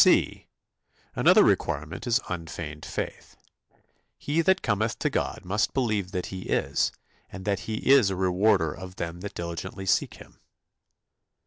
(c) Another requirement is unfeigned faith. "He that cometh to God must believe that he is, and that he is a rewarder of them that diligently seek Him."